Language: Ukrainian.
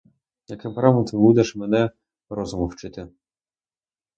Яким правом ти будеш мене розуму вчити?